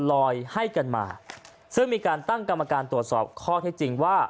ลอยให้กันมาซึ่งมีการตั้งกรรมการตรวจสอบข้อเท็จจริงว่า